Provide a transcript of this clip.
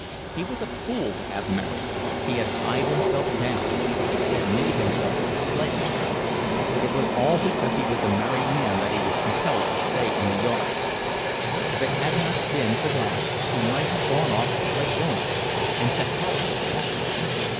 He was a fool to have married; he had tied himself down, had made himself a slave. It was all because he was a married man that he was compelled to stay in the yards; if it had not been for that he might have gone off like Jonas, and to hell with the packers.